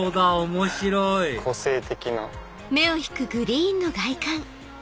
面白い個性的な。